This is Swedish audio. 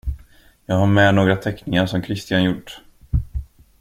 Jag har med några teckningar som Kristian gjort.